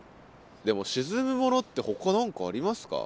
でも沈むものってほか何かありますか？